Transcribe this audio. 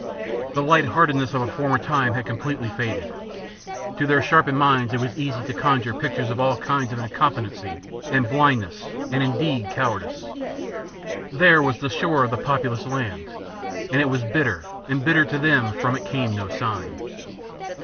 The lightheartedness of a former time had completely faded. To their sharpened minds it was easy to conjure pictures of all kinds of incompetency and blindness and, indeed, cowardice. There was the shore of the populous land, and it was bitter and bitter to them that from it came no sign.